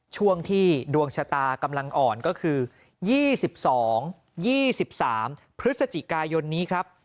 ช่วงที่ดวงชะตากำลังอ่อนก็คือ๒๒๒๓พฤศจิกายนนี้ครับ